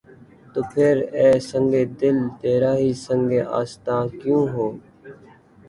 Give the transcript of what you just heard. تو پھر‘ اے سنگ دل! تیرا ہی سنگِ آستاں کیوں ہو؟